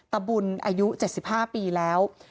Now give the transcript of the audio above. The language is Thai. ตะบุญอายุ๗๕ปีแล้ว